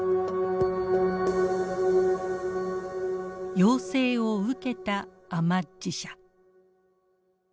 要請を受けたアマッジ社。